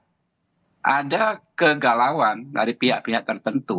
yang ingin meng cover ketidakpastian dan kegagalan dari pihak pihak tertentu